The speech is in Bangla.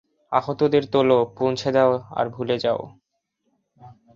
আহতদের তোলো, পৌঁছে দাও আর ভুলে যাও।